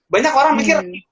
banyak orang mikir